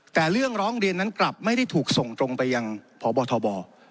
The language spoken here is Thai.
แต่เรื่องร้องเรียนนั้นกลับไม่ได้ถูกส่งตรงไปยังพบทบ